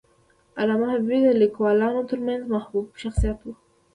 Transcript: علامه حبیبي د لیکوالانو ترمنځ محبوب شخصیت و.